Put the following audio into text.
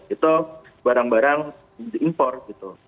itu barang barang diimpor gitu